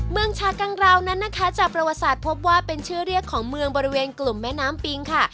เมืองชากังราวนั้นนะคะจากประวัติศาสตร์พบว่าเป็นชื่อเรียกของเมืองบริเวณกลุ่มแม่น้ำปิงค่ะ